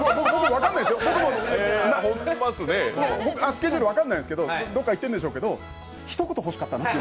分かんないですよ、僕もスケジュール分かんないですけどどっか行ってるんでしょうけどひと言欲しかったなと。